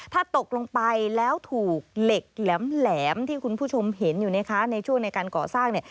ถ้าตกลงไปแล้วถูกเหล็กแหลมที่คุณผู้ชมเห็นอยู่นะคะในช่วงในการก่อสร้างเนี่ย